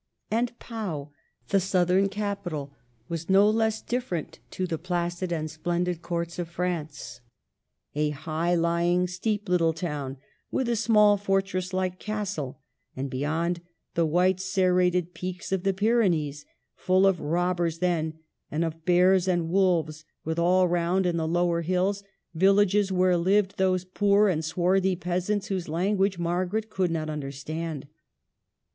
And Pau, the southern capital, was no less different to the placid and splendid courts of France, — a high lying, steep little town, with a small, fortress like castle, and beyond, the white serrated peaks of the Pyrenees, full of robbers then, and of bears and wolves, with all round, in the lower hills, villages where lived those poor and swarthy peasants whose language Margaret could not understand.